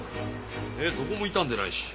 どこも傷んでないし。